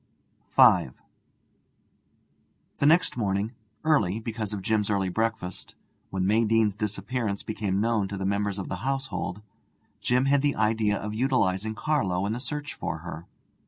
V The next morning early, because of Jim's early breakfast when May Deane's disappearance became known to the members of the household, Jim had the idea of utilizing Carlo in the search for her.